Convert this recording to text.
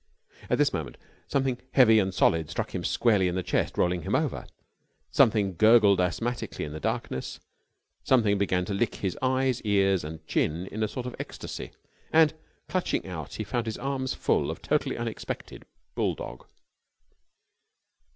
At this moment something heavy and solid struck him squarely in the chest, rolling him over. Something gurgled asthmatically in the darkness. Something began to lick his eyes, ears, and chin in a sort of ecstasy: and, clutching out, he found his arms full of totally unexpected bulldog.